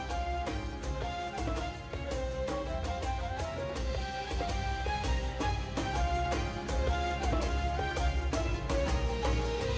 terima kasih atas dukungan anda